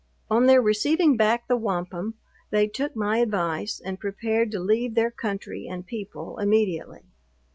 On their receiving back the wampum, they took my advice, and prepared to leave their country and people immediately.